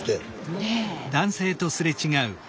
ねえ。